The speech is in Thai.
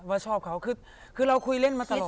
ว่าชอบเขาคือเราคุยเล่นมาตลอด